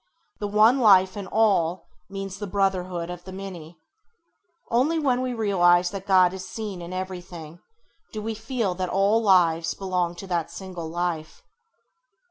The one life in all means the brotherhood of the many. Only when we realise that God is seen in everything, do we feel that all that lives belongs to that single life.